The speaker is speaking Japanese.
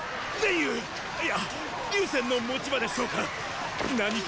有いや竜川の持ち場でしょうか？